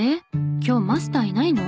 今日マスターいないの？」